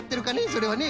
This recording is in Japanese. それはね。